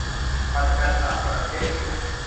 ปัจจันตประเทศ